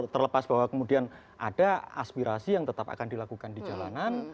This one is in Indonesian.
terlepas bahwa kemudian ada aspirasi yang tetap akan dilakukan di jalanan